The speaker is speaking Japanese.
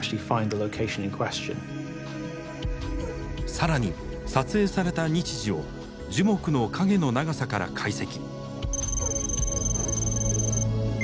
更に撮影された日時を樹木の影の長さから解析。